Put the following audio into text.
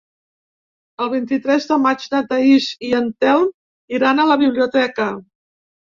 El vint-i-tres de maig na Thaís i en Telm iran a la biblioteca.